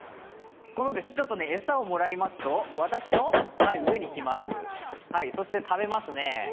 餌をもらいますと、私の上に来ますそして、食べますね。